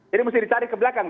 jadi mesti dicari ke belakang